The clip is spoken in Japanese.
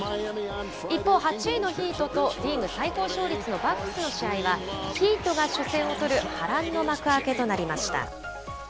一方、８位のヒートと、リーグ最高勝率のバックスの試合は、ヒートが初戦を取る波乱の幕開けとなりました。